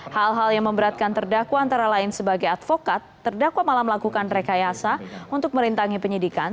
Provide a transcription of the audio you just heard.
hal hal yang memberatkan terdakwa antara lain sebagai advokat terdakwa malah melakukan rekayasa untuk merintangi penyidikan